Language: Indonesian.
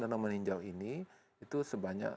danau meninjau ini itu sebanyak